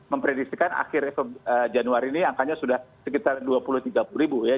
memprediksikan akhirnya januari ini angkanya sudah sekitar dua puluh tiga puluh ribu ya